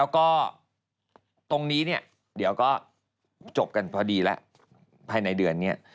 แล้วก็ตรงนี้เนี่ยเดี๋ยวก็จบกันพอดีแล้วภายในเดือนนี้